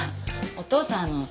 お父さん